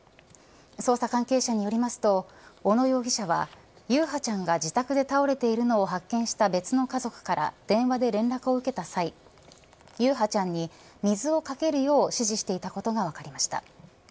捜査関係者によりますと小野容疑者は優陽ちゃんが自宅で倒れているのを発見した別の家族から電話で連絡を受けた際優陽ちゃんに水をかけるよう指示していたことが分かりました。